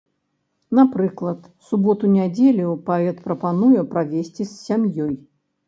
Напрыклад, суботу-нядзелю паэт прапануе правесці з сям'ёй.